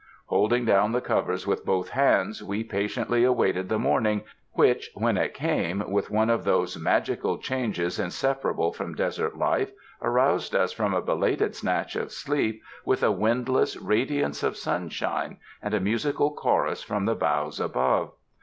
Holding down the covers with both hands, we patiently awaited the morning, which, when it came, with one of those magical changes inseparable from desert life, aroused us from a belated snatch of sleep with a windless radiance of sunshine, and a musical chorus from the boughs above.